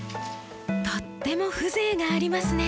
とっても風情がありますね。